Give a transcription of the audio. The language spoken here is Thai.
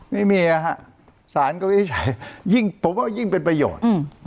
ไม่มีนะฮะสารก็วินิจฉัยยิ่งผมว่ายิ่งเป็นประโยชน์